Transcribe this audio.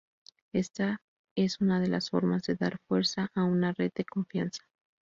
Esta es una de las formas de dar fuerza a una red de confianza.